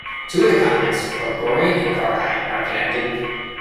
Two of the continents, Orgoreyn and Karhide, are connected.